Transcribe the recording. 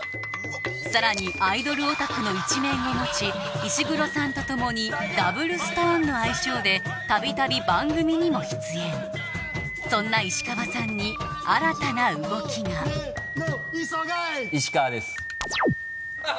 さらにアイドルオタクの一面を持ち石黒さんと共にダブルストーンの愛称でたびたび番組にも出演そんな石川さんに新たな動きが石川です。